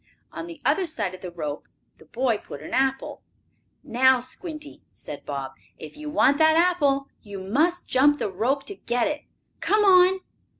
On the other side of the rope the boy put an apple. "Now, Squinty," said Bob, "if you want that apple you must jump the rope to get it. Come on."